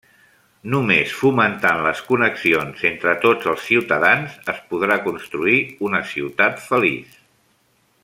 Només fomentant les connexions entre tots els ciutadans es podrà construir una ciutat feliç.